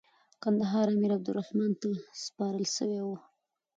کندهار امیر عبدالرحمن خان ته سپارل سوی وو.